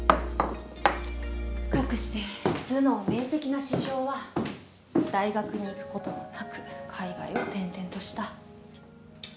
かくして頭脳明晰な獅子雄は大学に行くこともなく海外を転々とした。